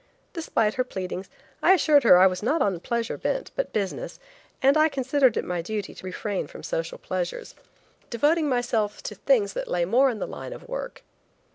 Despite her pleadings I assured her I was not on pleasure bent, but business, and I considered it my duty to refrain from social pleasures, devoting myself to things that lay more in the line of work.